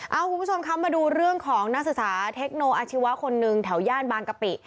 เอาคุณผู้ชมคะมาดูเรื่องของนักศึกษาเทคโนอาชีวะคนหนึ่งแถวย่านบางกะปิ